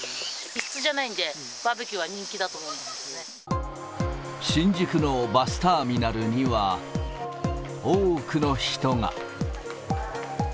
密室じゃないんで、バーベキ新宿のバスターミナルには、多くの人が。